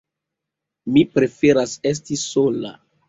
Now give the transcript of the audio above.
Mi preferas esti sola.